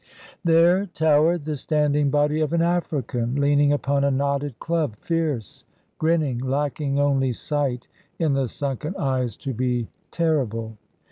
There, towered the standing body of an African, leaning upon a knotted club, fierce, grinning, lacking only sight in the sunken eyes to be terrible.